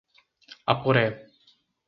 Aporé